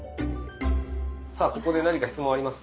さあここで何か質問あります？